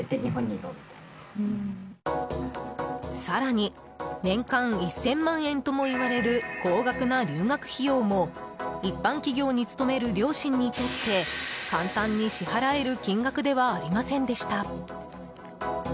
更に、年間１０００万円ともいわれる高額な留学費用も一般企業に勤める両親にとって簡単に支払える金額ではありませんでした。